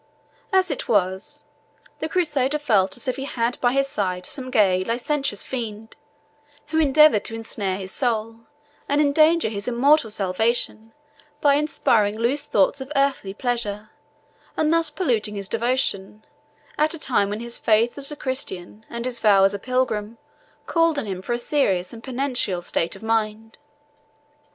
As it was, the Crusader felt as if he had by his side some gay, licentious fiend, who endeavoured to ensnare his soul, and endanger his immortal salvation, by inspiring loose thoughts of earthly pleasure, and thus polluting his devotion, at a time when his faith as a Christian and his vow as a pilgrim called on him for a serious and penitential state of mind.